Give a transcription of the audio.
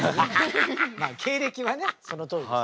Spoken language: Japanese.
まあ経歴はねそのとおりです。